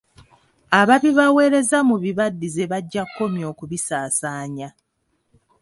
Ababibaweereza mu bibaddize bajja kukomya okubisaasaanya.